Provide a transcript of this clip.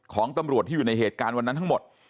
ของตำรวจที่อยู่ในเหตุการณ์วันนั้นทั้งหมด